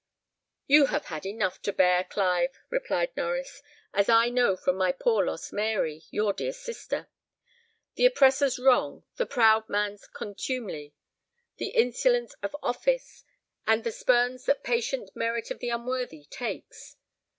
"You have had enough to bear, Clive," replied Norries; "as I know from my poor lost Mary, your dear sister 'the oppressor's wrong, the proud man's contumely, the insolence of office, and the spurns that patient merit of the unworthy takes.'